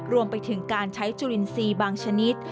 รวมไปถึงการใช้จุลินทรีย์บางชนิด